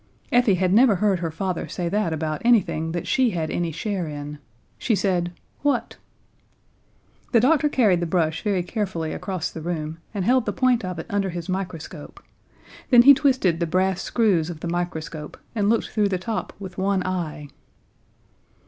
Effie had never heard her father say that about anything that she had any share in. She said: "What?" The doctor carried the brush very carefully across the room, and held the point of it under his microscope then he twisted the brass screws of the microscope, and looked through the top with one eye.